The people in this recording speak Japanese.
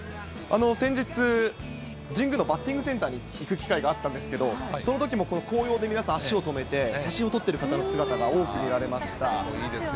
先日、神宮のバッティングセンターに行く機会があったんですけど、そのときも、紅葉で足を止めて、写真を撮ってる方の姿が多く見られました。